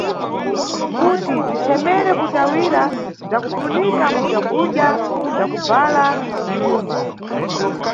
Kuti bzithemere kutawira bzakufunika mu bzakudya, bzakubvala na nyumba.